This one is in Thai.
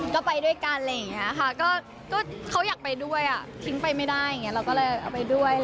ก็ไปด้วยกันอะไรอย่างนี้ค่ะก็เขาอยากไปด้วยอ่ะทิ้งไปไม่ได้อย่างนี้เราก็เลยเอาไปด้วย